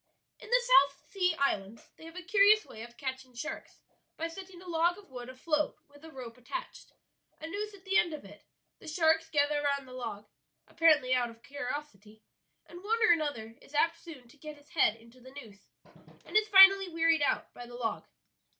"In the South Sea Islands they have a curious way of catching sharks by setting a log of wood afloat with a rope attached, a noose at the end of it; the sharks gather round the log, apparently out of curiosity, and one or another is apt soon to get his head into the noose, and is finally wearied out by the log."